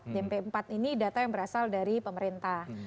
dp empat ini data yang berasal dari pemerintah